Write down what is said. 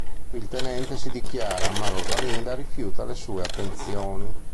Qui il tenente si dichiara ma Rosalinda rifiuta le sue attenzioni.